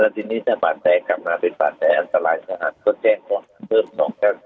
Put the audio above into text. แล้วทีนี้พาบานแตะกลับมาไปนับภาษาอันตรายศรัพท์ก็แจ้งกดเพิ่ม๒๗